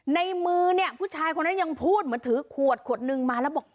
ในมือเนี่ยผู้ชายคนนั้นยังพูดเหมือนถือขวดขวดนึงมาแล้วบอก